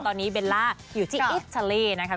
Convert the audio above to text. ตอนนี้เบลล่าอยู่ที่อิสลาเล่นะคะ